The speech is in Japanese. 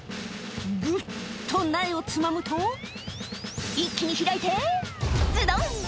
ぐっと苗をつまむと、一気に開いて、ずどん。